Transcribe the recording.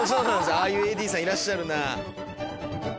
ああいうＡＤさんいらっしゃるな。